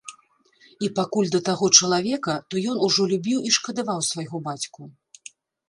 І пакуль да таго чалавека, то ён ужо любіў і шкадаваў свайго бацьку.